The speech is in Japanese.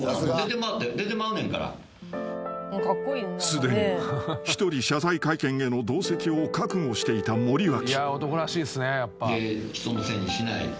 ［すでに一人謝罪会見への同席を覚悟していた森脇］